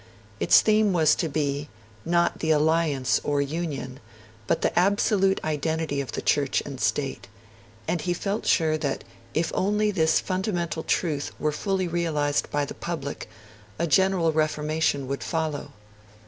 Its theme was to be, not the alliance or union, but the absolute identity of the Church and the State; and he felt sure that if only this fundamental truth were fully realised by the public, a general reformation would follow.